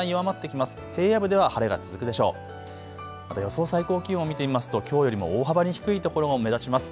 また予想最高気温、見てみますときょうよりも大幅に低いところが目立ちます。